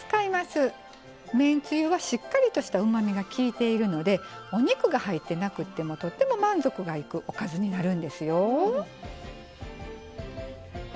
めんつゆはしっかりとしたうまみがきいているのでお肉が入ってなくってもとっても満足がいくおかずになるんですよ。